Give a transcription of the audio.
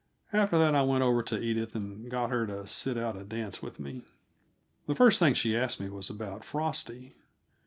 After that I went over to Edith and got her to sit out a dance with me. The first thing she asked me was about Frosty.